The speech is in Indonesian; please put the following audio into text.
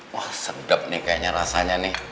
wah sedap nih kayaknya rasanya nih